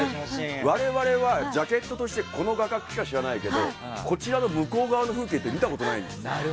我々はジャケットとしてこの画角しか知らないけどこちらの向こう側の風景って見たことないんです。